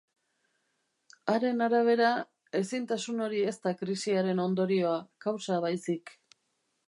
Haren arabera, ezintasun hori ez da krisiaren ondorioa kausa baizik.